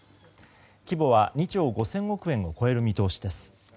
規模は２兆５０００億円を超える見通しです。